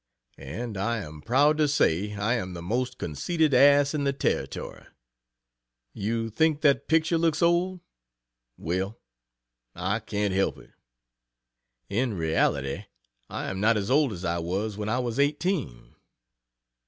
And I am proud to say I am the most conceited ass in the Territory. You think that picture looks old? Well, I can't help it in reality I am not as old as I was when I was eighteen.